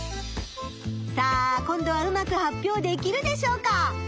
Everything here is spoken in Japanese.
さあ今度はうまく発表できるでしょうか。